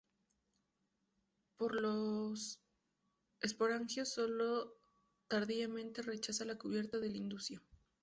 Por los esporangios solo tardíamente rechazan la cubierta del indusio.